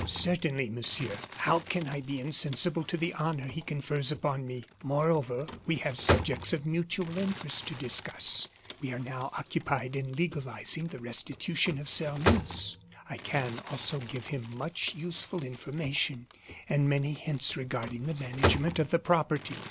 "Certainly, Monsieur. How can I be insensible to the honor he confers upon me? Moreover, we have subjects of mutual interest to discuss. We are now occupied in legalizing the restitution of Sairmeuse. I can, also, give him much useful information, and many hints regarding the management of the property."